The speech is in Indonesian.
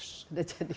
sudah jadi bos